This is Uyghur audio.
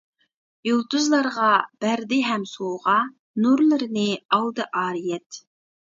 يۇلتۇزلارغا بەردى ھەم سوۋغا، نۇرلىرىنى ئالدى ئارىيەت.